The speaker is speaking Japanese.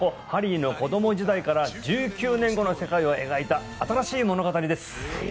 ハリーの子供時代から１９年後の世界を描いた新しい物語です。